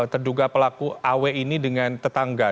terduga pelaku aw ini dengan tetangga